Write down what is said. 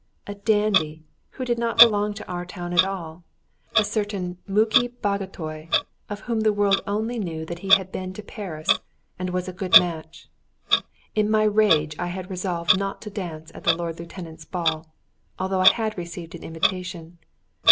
A dandy, who did not belong to our town at all; a certain Muki Bagotay, of whom the world only knew that he had been to Paris, and was a good match. In my rage I had resolved not to dance at the Lord Lieutenant's ball, although I had received an invitation.